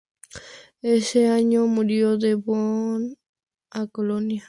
Ese año se mudó de Bonn a Colonia.